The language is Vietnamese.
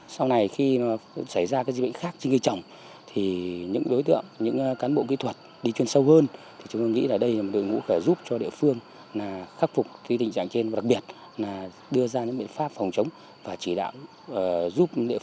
sau này khi xảy ra cái dịch bệnh khác trên cây trồng thì những đối tượng những cán bộ kỹ thuật đi chuyên sâu hơn thì chúng tôi nghĩ là đây là một đồng hữu khả giúp cho địa phương khắc phục cái tình trạng trên và đặc biệt là đưa ra những biện pháp phòng chống